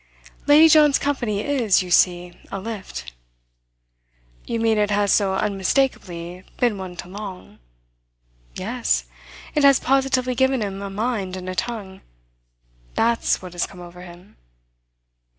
Lady John's company is, you see, a lift." "You mean it has so unmistakably been one to Long?" "Yes it has positively given him a mind and a tongue. That's what has come over him."